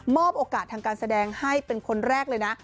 โอกาสทางการแสดงให้เป็นคนแรกเลยนะ